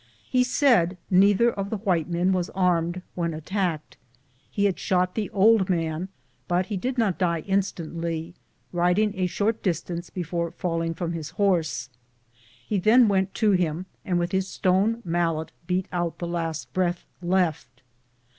He said neither of the white men was armed when at 208 BOOTS AND SADDLES. tacked. lie had shot the old man, but he did not die instantly, riding a short distance before falling from his horse. He then went to him and with his stone mallet beat out the last breath left.